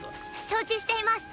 承知しています。